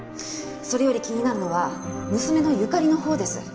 それより気になるのは娘のゆかりのほうです。